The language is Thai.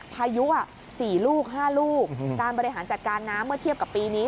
พายุ๔ลูก๕ลูกการบริหารจัดการน้ำเมื่อเทียบกับปีนี้